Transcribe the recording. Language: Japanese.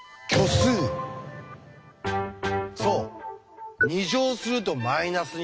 そう。